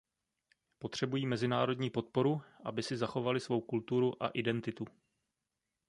Potřebují mezinárodní podporu, aby si zachovali svou kulturu a identitu.